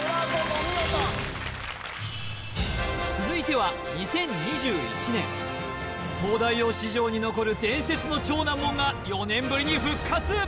お見事続いては２０２１年東大王史上に残る伝説の超難問が４年ぶりに復活